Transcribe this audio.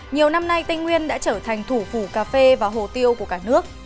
nhiều năm nay tây nguyên đã trở thành thủ phủ cà phê và hồ tiêu của cả nước